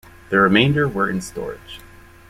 The remainder were in storage.